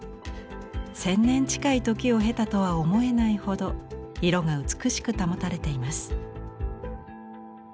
千年近い時を経たとは思えないほど色が美しく保たれています。